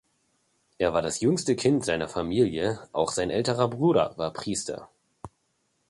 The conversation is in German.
Er war das jüngste Kind seiner Familie, auch sein älterer Bruder war Priester.